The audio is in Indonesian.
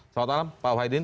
selamat malam pak wahidin